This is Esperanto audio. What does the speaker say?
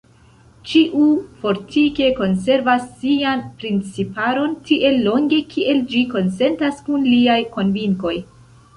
Ĉiu fortike konservas sian principaron tiel longe, kiel ĝi konsentas kun liaj konvinkoj.